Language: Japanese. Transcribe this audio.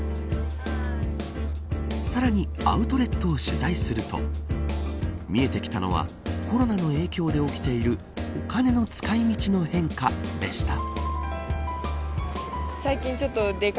さらにアウトレットを取材すると見えてきたのはコロナの影響で起きているお金の使い道の変化でした。